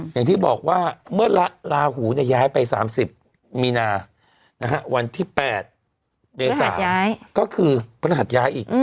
อย่างที่บอกว่าเมื่อลาหูย้ายไป๓๐มีนาวันที่๘เมษาก็คือพระรหัสย้ายอีก